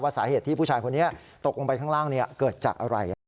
สาเหตุที่ผู้ชายคนนี้ตกลงไปข้างล่างเกิดจากอะไร